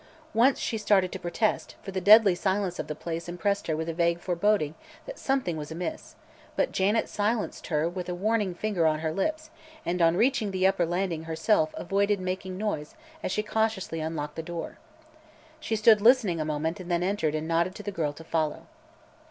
Once she started to protest, for the deadly silence of the place impressed her with a vague foreboding that something was amiss, but Janet silenced her with a warning finger on her lips and on reaching the upper landing herself avoided making a noise as she cautiously unlocked the door. She stood listening a moment and then entered and nodded to the girl to follow.